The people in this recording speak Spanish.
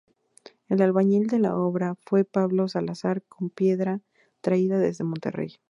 El albañil de la obra fue Pablo Salazar, con piedra traída desde Monterrey.